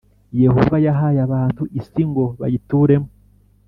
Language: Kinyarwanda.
Yehova yahaye abantu isi ngo bayituremo